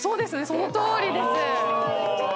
そのとおりです。